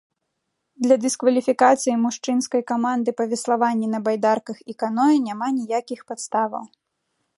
Для дыскваліфікацыі мужчынскай каманды па веславанні на байдарках і каноэ няма ніякіх падставаў.